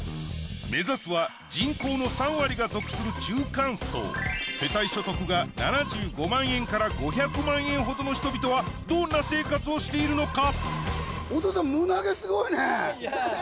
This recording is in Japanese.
目指すは人口の３割が属する中間層世帯所得が７５万円から５００万円ほどの人々はどんな生活をしているのか？